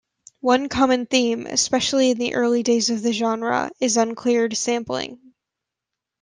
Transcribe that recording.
One common theme, especially in the early days of the genre, is uncleared sampling.